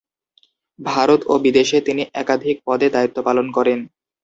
ভারত ও বিদেশে তিনি একাধিক পদে দায়িত্ব পালন করেন।